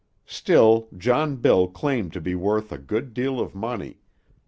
Still, John Bill claimed to be worth a good deal of money.